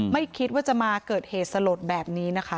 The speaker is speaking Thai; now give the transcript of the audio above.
ไม่คิดว่าจะมาเกิดเหตุสลดแบบนี้นะคะ